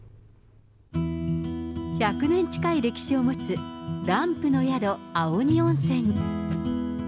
１００年近い歴史を持つ、ランプの宿青荷温泉。